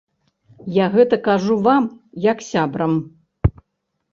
Я гэта кажу вам, як сябрам.